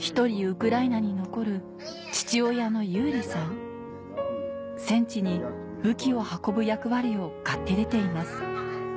ウクライナに残る戦地に武器を運ぶ役割を買って出ています